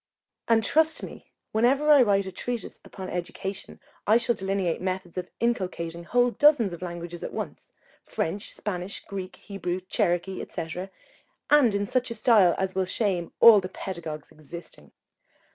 and trust me, whenever I write a treatise upon education, I shall delineate methods of inculcating whole dozens of languages at once, French, Spanish, Greek, Hebrew, Cherokee, &c., in such a style as will shame all the pedagogues existing.